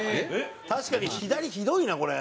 確かに左ひどいなこれ。